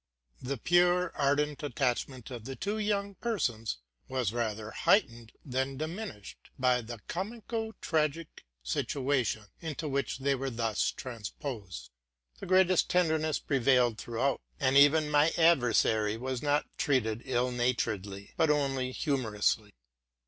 The pure, ardent attachment of the two young persons was rather heightened than diminished by the comico tragic situation into which they were thus transposed. The greatest tenderness prevailed throughout ; and even my adver sary was not treated ill naturedly, but only humorously.